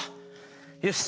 よし！